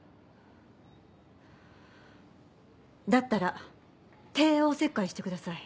だったら帝王切開してください。